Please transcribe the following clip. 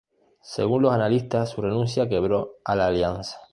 Según los analistas, su renuncia quebró a La Alianza.